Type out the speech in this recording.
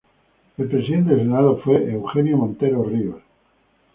El Presidente del Senado fue Eugenio Montero Ríos.